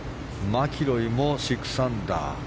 マキロイも６アンダー。